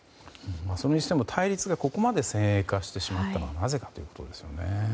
それにしても対立がここまで先鋭化してしまったのはなぜかということですよね。